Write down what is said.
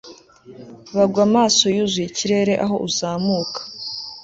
Bagwa amaso yuzuye ikirere aho uzamuka